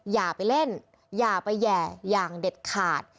อย่าไปเล่นอย่าไปแห่อย่างเด็ดขาด